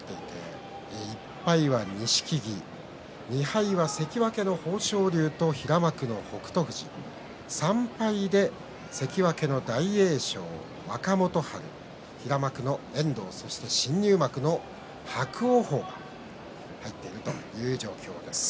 １敗は錦木２敗は関脇の豊昇龍と平幕の北勝富士３敗で関脇の大栄翔、若元春平幕の遠藤そして新入幕の伯桜鵬です。